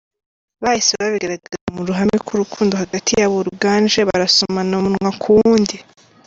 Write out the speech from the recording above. Bahise babigaragariza mu ruhame ko urukundo hagati yabo ruganje, barasomana umunwa ku wundi.